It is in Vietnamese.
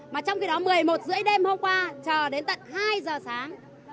mà trong khi đó một mươi một h ba mươi đêm hôm qua chờ đến tận hai giờ sáng